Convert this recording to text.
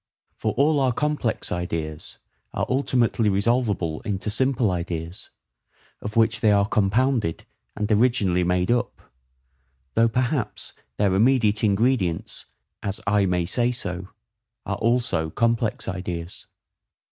For all our complex ideas are ultimately resolvable into simple ideas, of which they are compounded and originally made up, though perhaps their immediate ingredients, as I may so say, are also complex ideas.